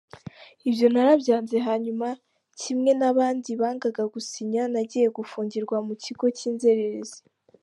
Ibyo narabyanze hanyuma kimwe n’abandi bangaga gusinya nagiye gufungirwa mu kigo cy’inzererezi.